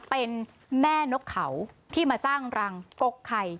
เป็นแม่นกเขาที่มาสร้างรังกกไข่